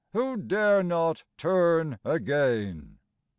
who dare not turn again.